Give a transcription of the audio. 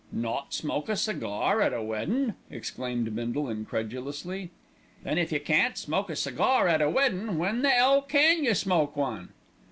"Not smoke a cigar at a weddin'!" exclaimed Bindle incredulously. "Then if you can't smoke a cigar at a weddin', when the 'ell can you smoke one."